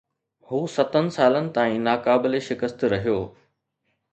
هو ستن سالن تائين ناقابل شڪست رهيو.